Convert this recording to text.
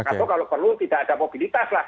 atau kalau perlu tidak ada mobilitas lah